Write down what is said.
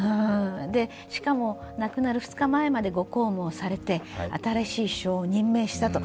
しかも、亡くなる２日前までご公務をされて、新しい首相を任命したと。